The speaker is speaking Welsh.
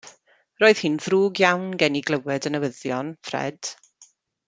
Roedd hi'n ddrwg iawn gen i glywed y newyddion, Ffred.